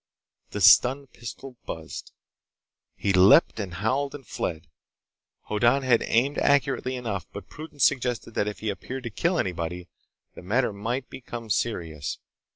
The stun pistol buzzed. He leaped and howled and fled. Hoddan had aimed accurately enough, but prudence suggested that if he appeared to kill anybody, the matter might become serious.